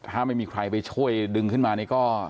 ถ้าไม่มีใครไปช่วยดึงขึ้นมานี่ก็